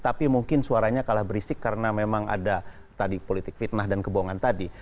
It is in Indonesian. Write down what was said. tapi mungkin suaranya kalah berisik karena memang ada tadi politik fitnah dan kebohongan tadi